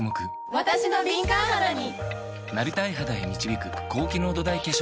わたしの敏感肌に！